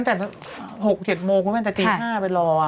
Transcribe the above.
ใช่เขาไปตั้ง๖๗โมงคุณแม่นแต่ตี๕ไปรอ